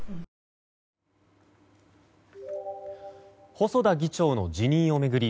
細田議長の辞任を巡り